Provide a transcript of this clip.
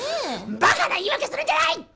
バカな言い訳するんじゃない！